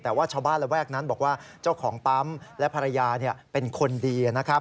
แต่ว่าชาวบ้านระแวกนั้นบอกว่าเจ้าของปั๊มและภรรยาเป็นคนดีนะครับ